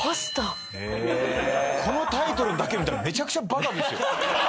このタイトルだけ見たらめちゃくちゃバカですよ。